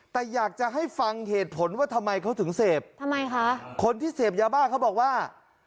แต่อยากจะให้ฟังเหตุผลว่าทำไมเขาถึงเสพทำไมคะคนที่เสพยาบ้าเขาบอกว่า